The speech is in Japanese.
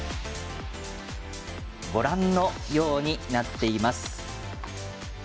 ご覧のようになっています。